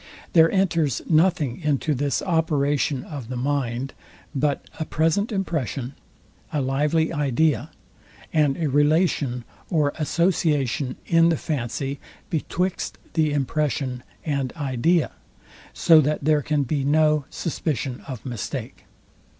There enters nothing into this operation of the mind but a present impression, a lively idea, and a relation or association in the fancy betwixt the impression and idea; so that there can be no suspicion of mistake.